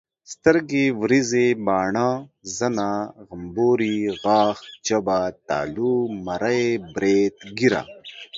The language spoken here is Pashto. سترګي ، وريزي، باڼه، زنه، غمبوري، غاښ، ژبه ،تالو، مرۍ، بريت، ګيره